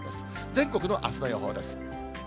全国のあすの予報です。